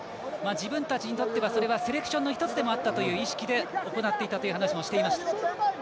自分たちにとってはそれはセレクションの１つでもあったという話もしていました。